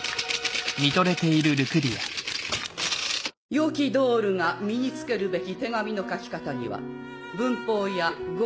良きドールが身に付けるべき手紙の書き方には文法や語彙